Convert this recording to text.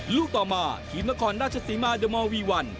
ลูกต่อมาทีมนครราชศรีมาเดอร์มอลวีวัน